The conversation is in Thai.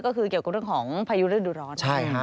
ก็คือเกี่ยวกับเรื่องของพยุเรื่องดูดร้อน